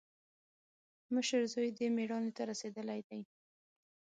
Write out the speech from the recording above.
مشر زوی دې مېړانې ته رسېدلی دی.